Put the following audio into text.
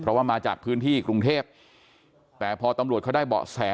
เพราะว่ามาจากพื้นที่กรุงเทพแต่พอตำรวจเขาได้เบาะแส